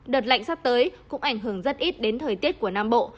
đợt lạnh sắp tới cũng ảnh hưởng rất ít đến thời tiết của nam bộ